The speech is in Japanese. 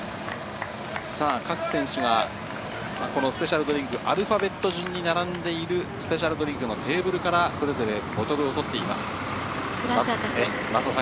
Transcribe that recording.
各選手がスペシャルドリンクをアルファベット順に並んでいるスペシャルドリンクのテーブルからボトルを取っています。